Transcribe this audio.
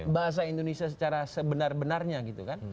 bahasa indonesia secara sebenar benarnya gitu kan